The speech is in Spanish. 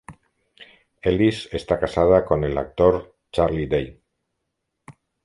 Ellis está casada con el actor Charlie Day.